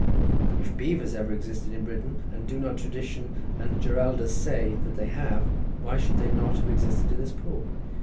If beavers ever existed in Britain, and do not tradition and Giraldus say that they have? why should they not have existed in this pool?